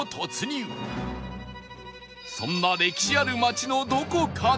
そんな歴史ある町のどこかで